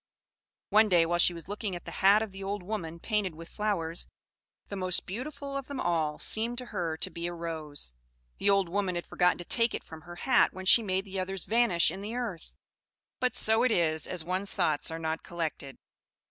One day while she was looking at the hat of the old woman painted with flowers, the most beautiful of them all seemed to her to be a rose. The old woman had forgotten to take it from her hat when she made the others vanish in the earth. But so it is when one's thoughts are not collected.